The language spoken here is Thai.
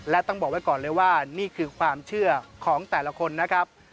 และต้องบอกไว้ก่อนเลยว่านี่คือความเชื่อของแต่ละคนนะครับ